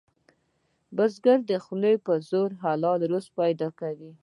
بزګر د خولو په زور حلال رزق پیدا کوي